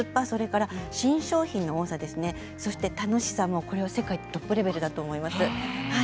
それから新商品の多さ、そして楽しさ、これは世界トップレベルだと思います。